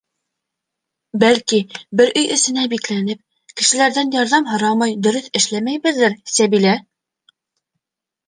Бәлки, бер өй эсенә бикләнеп, кешеләрҙән ярҙам һорамай дөрөҫ эшләмәйҙер Сәбилә?